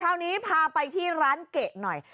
คราวนี้พาไปที่ร้านเกะหน่อย